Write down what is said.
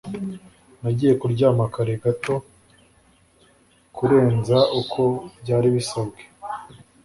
Nagiye kuryama kare gato kurenza uko byari bisanzwe.